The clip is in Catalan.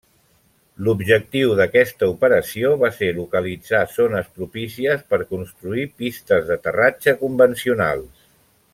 L'objectiu d'aquesta operació va ser localitzar zones propícies per construir pistes d'aterratge convencionals.